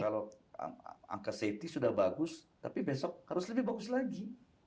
kalau angka safety sudah bagus tapi besok harus lebih bagus lagi